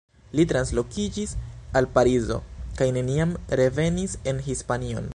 Li translokiĝis al Parizo, kaj neniam revenis en Hispanion.